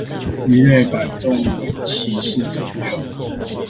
魚類擺動尾鰭是左右